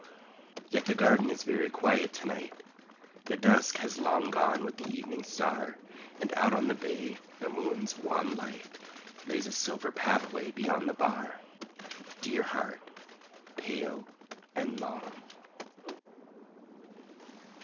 Yet the garden is very quiet to night, The dusk has long gone with the Evening Star, And out on the bay the moon's wan light Lays a silver pathway beyond the bar, Dear heart, pale and long.